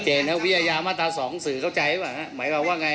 เช่นเฉยเนี้ยวิญญาณมาตราสองสื่อเข้าใจไหมฮะหมายคำว่าว่าไง